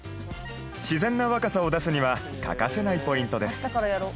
自然な若さを出すには欠かせないポイントです